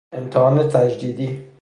امتحان تجدیدی